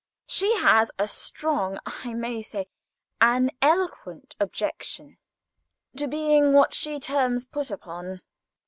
She has a strong, I may say an eloquent, objection to being what she terms 'put upon.